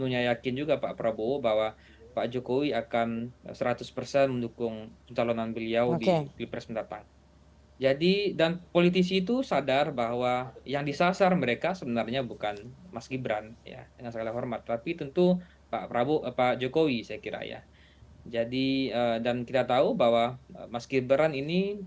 yang kedua dari sisi pak jokowi sendiri